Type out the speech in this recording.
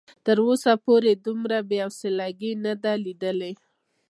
تر اوسه پورې دومره بې حوصلګي نه ده ليدلې.